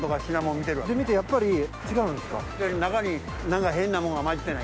見てやっぱり違うんですか？